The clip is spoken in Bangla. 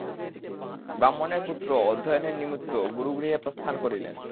ব্রাহ্মণের পুত্রও অধ্যয়নের নিমিত্ত গুরুগৃহে প্রস্থান করিলেন।